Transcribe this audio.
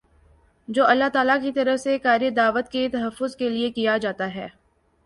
جو اللہ تعالیٰ کی طرف سے کارِ دعوت کے تحفظ کے لیے کیا جاتا ہے